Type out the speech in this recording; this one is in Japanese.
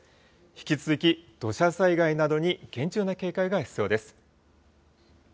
引き続き土砂災害などに厳重な警戒が必要です。